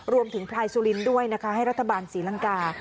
รวมถึงพลายสุรินทร์ด้วยนะคะให้รัฐบาลศรีรังกา